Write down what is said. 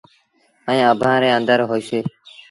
ائيٚݩٚ اڀآنٚ ري اندر هوئيٚسي۔